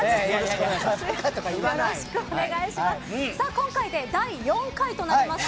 今回で第４回となります。